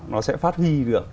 nó sẽ phát huy được